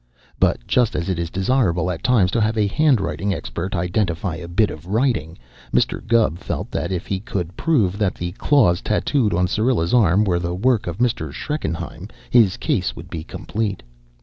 But, just as it is desirable at times to have a handwriting expert identify a bit of writing, Mr. Gubb felt that if he could prove that the claws tattooed on Syrilla's arm were the work of Mr. Schreckenheim, his case would be complete.